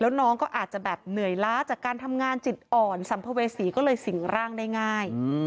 แล้วน้องก็อาจจะแบบเหนื่อยล้าจากการทำงานจิตอ่อนสัมภเวษีก็เลยสิ่งร่างได้ง่าย